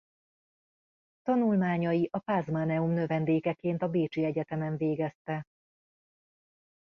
Tanulmányai a Pázmáneum növendékeként a bécsi egyetemen végezte.